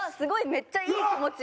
めっちゃいい気持ち。